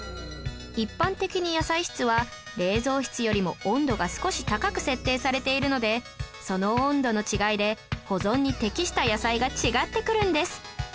一般的に野菜室は冷蔵室よりも温度が少し高く設定されているのでその温度の違いで保存に適した野菜が違ってくるんです